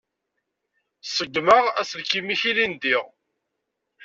Ṣeggmeɣ aselkim-ik ilindi.